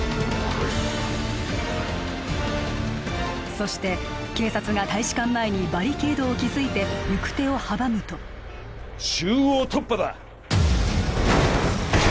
そして警察が大使館前にバリケードを築いて行く手を阻むと中央突破だ！